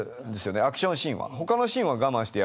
アクションシーンは。